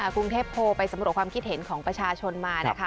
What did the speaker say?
กรุงเทพโพลไปสำรวจความคิดเห็นของประชาชนมานะคะ